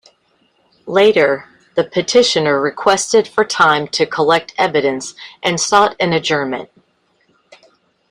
Later, the petitioner requested for time to collect evidence and sought an adjournment.